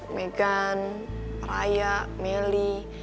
megan raya meli